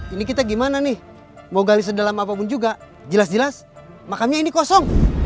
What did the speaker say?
ini kita gimana nih mau gali sedalam apapun juga jelas jelas makamnya ini kosong